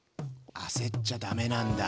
焦っちゃダメなんだ。